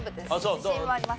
自信はあります。